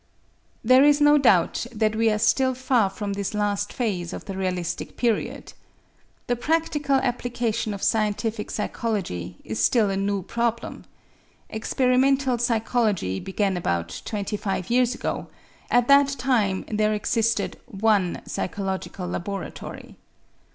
There is no doubt that we are still far from this last phase of the realistic period. The practical application of scientific psychology is still a new problem. Experimental psychology began about twenty five years ago; at that time there existed one psychological laboratory.